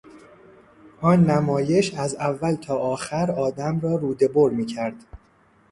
آن نمایش از اول تا آخر آدم را روده بر میکرد.